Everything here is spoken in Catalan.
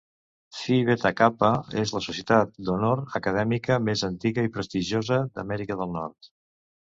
Phi Beta Kappa és la societat d'honor acadèmica més antiga i prestigiosa d'Amèrica del Nord.